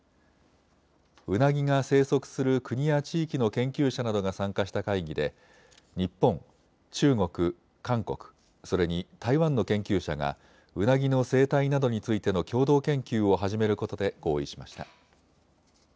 ウナギが生息する国や地域の研究者などが参加した会議で日本、中国、韓国、それに台湾の研究者がウナギの生態などについての共同研究を始めることで合意しました。